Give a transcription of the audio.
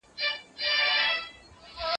په دې مانا مادیتپال وي چې ماده.